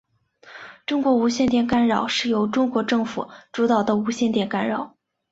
中国无线电干扰是由中国政府主导的无线电干扰。